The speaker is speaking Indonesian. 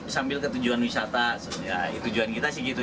sambil ketujuan wisata ya tujuan kita sih gitu